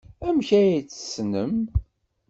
Amek ay t-tessnem?